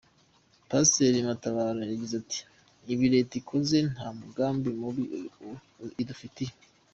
Pasiteri Matabaro yagize ati” Ibi Leta ikoze nta mugambi mubi idufitiye.